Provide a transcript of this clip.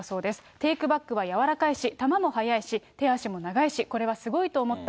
テークバックは柔らかいし、球も速いし、手足も長いし、これはすごいと思った。